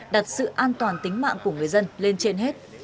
đặt sự an toàn tính mạng của người dân lên trên hết